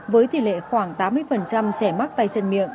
với tỷ lệ khoảng tám mươi trẻ mắc tay chân miệng